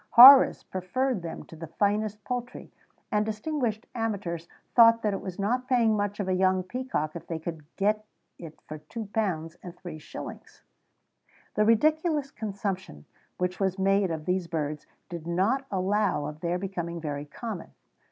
[J] Horace preferred them to the finest poultry,[XVII 127] and distinguished amateurs thought that it was not paying much for a young peacock if they could get it for two pounds and three shillings.[XVII 128] The ridiculous consumption which was made of these birds did not allow of their becoming very common.